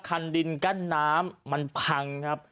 คันดินกั้นน้ำมันพังครับ